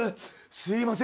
すいません。